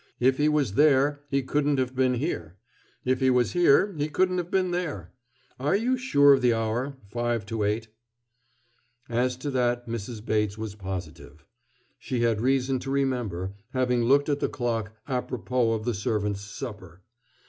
If he was there, he couldn't have been here. If he was here, he couldn't have been there. Are you sure of the hour five to eight?" As to that Mrs. Bates was positive. She had reason to remember, having looked at the clock à propos of the servants' supper.